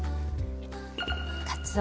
かつお。